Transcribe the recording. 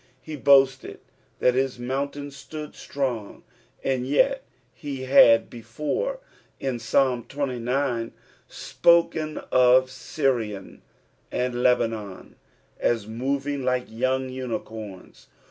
He boasted (lint his mountain alood strong, and yet he had before, in Psslm xxiz., spoken of Birion and Lebanon as moving like young unicorns.